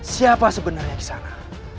siapa sebenarnya kisana